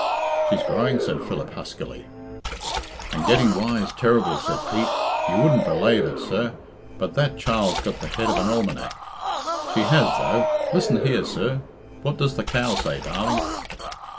"She's growing," said Philip huskily. "And getting wise ter'ble," said Pete. "You wouldn't be lave it, sir, but that child's got the head of an almanac. She has, though. Listen here, sir what does the cow say, darling?"